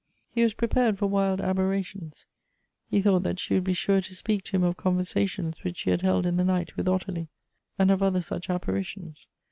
He was prepared for wild aberrations. He thouglit that ^he would be sure to speak to him of conversations which she bad held in the night with Ottilie, and of 14* 322 G O E T H B ' 8 Other such apparitions.